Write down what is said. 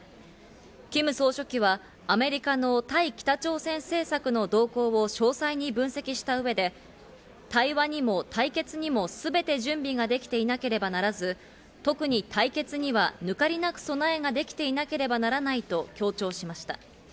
キム総書記はアメリカの対北朝鮮政策の動向を詳細に分析した上で、対話にも対決にもすべて準備ができていなければならず、特に対決には抜かりなく備えができていなければならないと強調しました。